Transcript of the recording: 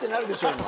今。